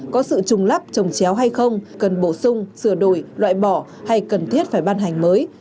có sự trùng lắp trồng chéo hay không cần bổ sung sửa đổi loại bỏ hay cần thiết phải ban hành mới